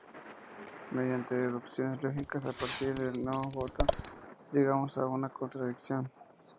Mediante deducciones lógicas a partir de "no J" llegamos a una contradicción.